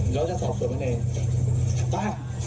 ยังไงล่ะ